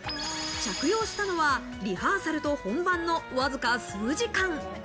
着用したのはリハーサルと本番のわずか数時間。